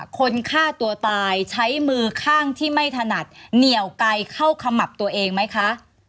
คนฆ่าตัวตายใช้มือข้างที่ไม่ถนัดเหนียวไกลเข้าขมับตัวเองไหมคะ